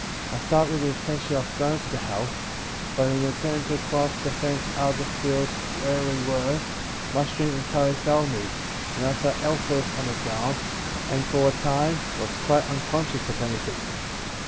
I started with the intention of going to the house; but, in attempting to cross the fence out of the field where we were, my strength entirely failed me, and I fell helpless on the ground, and for a time was quite unconscious of anything.